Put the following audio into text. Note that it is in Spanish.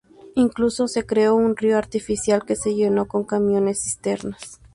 Incluso se creó un río artificial que se llenó con camiones cisterna.